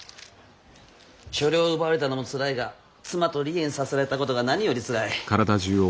所領を奪われたのもつらいが妻と離縁させられたことが何よりつらい。